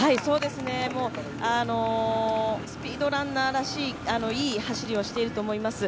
スピードランナーらしい、いい走りをしていると思います。